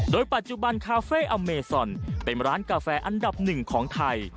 โดยปัจจุบันคาเฟ่อเมซอนเป็นร้านกาแฟอันดับหนึ่งของไทย